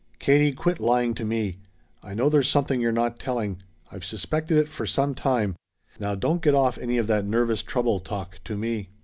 "Katie, quit lying to me. I know there's something you're not telling. I've suspected it for some time. Now don't get off any of that 'nervous trouble' talk to me!"